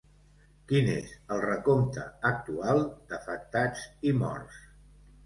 Quin és el recompte actual d’afectats i morts?